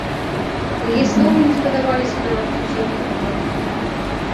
Яе словы не спадабаліся нават суседзям па двару.